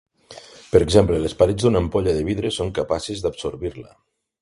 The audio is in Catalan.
Per exemple, les parets d'una ampolla de vidre són capaces d'absorbir-la.